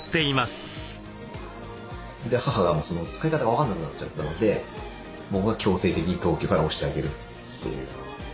母が使い方分かんなくなっちゃったので僕が強制的に東京から押してあげるという。